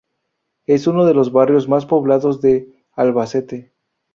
Es uno de los barrios más poblados de Albacete.